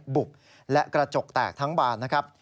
บุบและกระจกแตกทั้งบานนะครับ